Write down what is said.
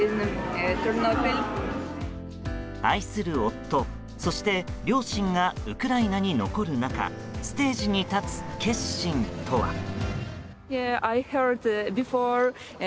愛する夫、そして両親がウクライナに残る中ステージに立つ決心とは。